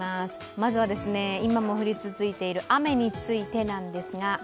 まずは今も降り続いている雨についてなんですが。